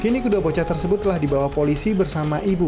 kini kedua bocah tersebut telah dibawa polisi bersama ibu